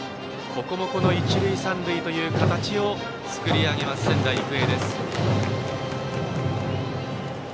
ここも一塁三塁という形を作り上げます、仙台育英。